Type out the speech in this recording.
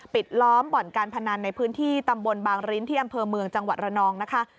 ล้อมบ่อนการพนันในพื้นที่ตำบลบางริ้นที่อำเภอเมืองจังหวัดระนองนะคะ